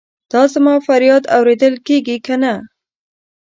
دا زما فریاد اورېدل کیږي کنه؟